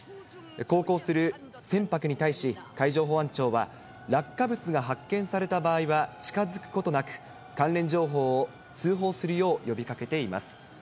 航行する船舶に対し、海上保安庁は落下物が発見された場合は、近づくことなく、関連情報を通報するよう呼びかけています。